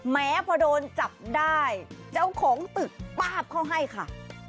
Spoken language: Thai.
แม้พอโดนจับได้เจ้าของตึกป้าบเขาให้ค่ะ